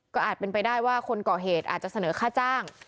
ก็อาจเป็นไปได้ว่าคนก่อเหตุอาจจะเสนอค่าจ้าง